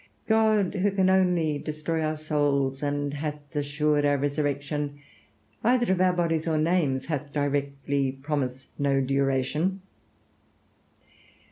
God, who can only destroy our souls, and hath assured our resurrection, either of our bodies or names hath directly promised no duration.